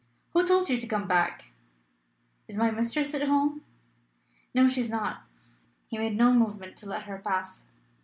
Who told you to come back?" "Is my mistress at home?" "No; she is not." He made no movement to let her pass.